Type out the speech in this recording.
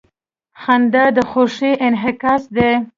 • خندا د خوښۍ انعکاس دی.